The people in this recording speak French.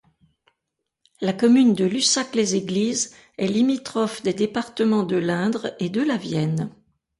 La commune de Lussac-les-Églises est limitrophe des départements de l'Indre et de la Vienne.